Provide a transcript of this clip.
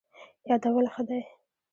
یادول ښه دی.